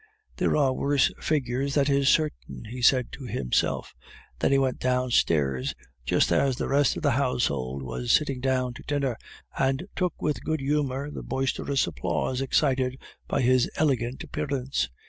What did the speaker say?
"There are worse figures, that is certain," he said to himself. Then he went downstairs, just as the rest of the household were sitting down to dinner, and took with good humor the boisterous applause excited by his elegant appearance.